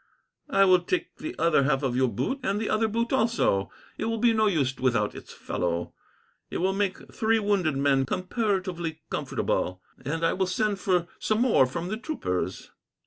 I will take the other half of your boot, and the other boot also. It will be no use without its fellow. It will make three wounded men comparatively comfortable, and I will send for some more from the troopers."